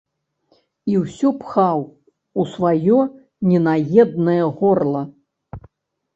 І ўсё пхаў у сваё ненаеднае горла.